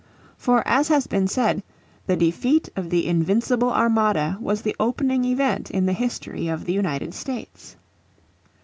For as has been said "the defeat of the Invincible Armada was the opening event in the history of the United States."